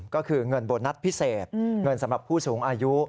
ก็คือเงินโบนัสพิเศษเงินสำหรับผู้สูงอายุ